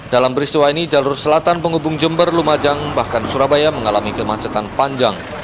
dalam peristiwa ini jalur selatan penghubung jember lumajang bahkan surabaya mengalami kemacetan panjang